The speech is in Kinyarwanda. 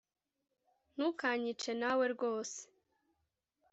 ntukanyice nawe rwose